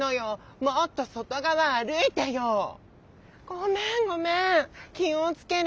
ごめんごめんきをつける。